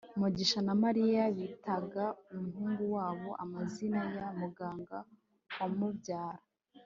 mugisha na mariya bitaga umuhungu wabo amazina ya muganga wamubyaye